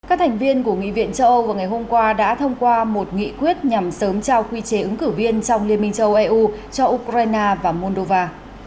các thành viên của nghị viện châu âu vào ngày hôm qua đã thông qua một nghị quyết nhằm sớm trao quy chế ứng cử viên trong liên minh châu eu cho ukraine và moldova